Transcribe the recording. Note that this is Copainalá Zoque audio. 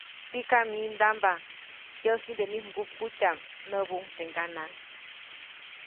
‒Tikam myindamba, yäʼ jiʼnde mij mgupkutyaʼm-, näbuʼuŋ teʼ ŋganaʼŋ.